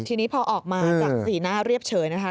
ทีนี้พอออกมาจากสีหน้าเรียบเฉยนะคะ